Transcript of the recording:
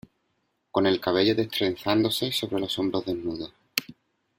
con el cabello destrenzándose sobre los hombros desnudos